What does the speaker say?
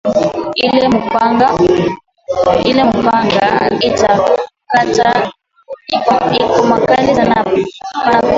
Ile mupanga ita kukata iko makali sana apana kulima nayo